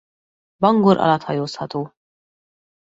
Bangor alatt hajózható.